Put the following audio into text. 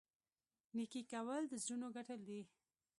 نیکي کول د زړونو ګټل دي.